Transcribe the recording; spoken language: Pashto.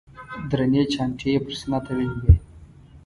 درنې چانټې یې پر سینه تړلې وې.